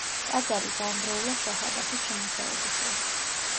ტაძარი დანგრეულა შაჰ-აბასის შემოსევების დროს.